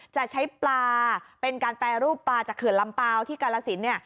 จะใช้ปลาเป็นการแปรรูปปลาจากเขื่อนลำเปล่าที่กาลสิน